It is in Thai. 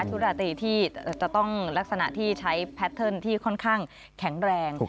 ทุราตรีที่จะต้องลักษณะที่ใช้แพทเทิร์นที่ค่อนข้างแข็งแรง